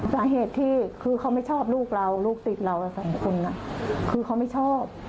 สาเหตุที่คือเขาไม่ชอบลูกเราลูกติดเราสองคนน่ะคือเขาไม่ชอบ